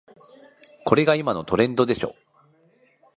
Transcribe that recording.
これが今のトレンドでしょ